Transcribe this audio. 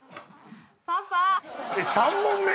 パパ！